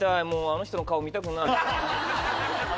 もうあの人の顔見たくない。